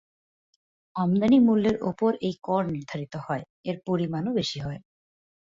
আমদানি মূল্যের ওপর এই কর নির্ধারিত হয়, এর পরিমাণও বেশি হয়।